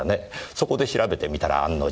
そこで調べてみたら案の定。